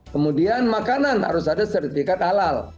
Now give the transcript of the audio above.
kemudian makanan harus ada sertifikat halal